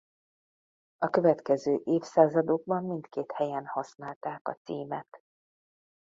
A következő évszázadokban mindkét helyen használták a címet.